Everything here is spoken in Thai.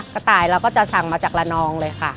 กระต่ายเราก็จะสั่งมาจากละนองเลยค่ะ